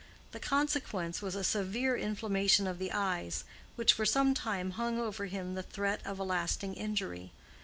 The consequence was a severe inflammation of the eyes, which for some time hung over him the threat of a lasting injury.